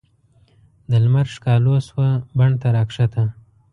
د لمر ښکالو شوه بڼ ته راکښته